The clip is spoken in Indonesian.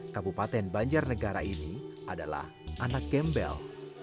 kabupaten banjarnegara ini adalah anak gembel